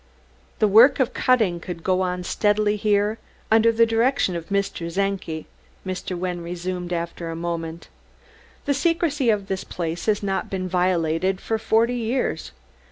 "The work of cutting could go on steadily here, under the direction of Mr. Czenki," Mr. Wynne resumed after a moment. "The secrecy of this place has not been violated for forty years.